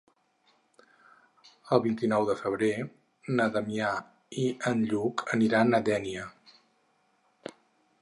El vint-i-nou de febrer na Damià i en Lluc aniran a Dénia.